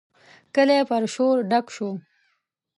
کلی پر شور ډک شو.